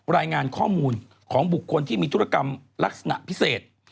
รายงานข้อมูลของบุคคลที่มีธุรกรรมลักษณะพิเศษ